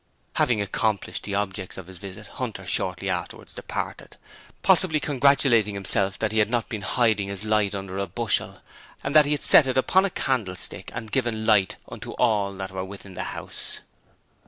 Having accomplished the objects of his visit, Hunter shortly afterwards departed, possibly congratulating himself that he had not been hiding his light under a bushel, but that he had set it upon a candlestick and given light unto all that were within that house.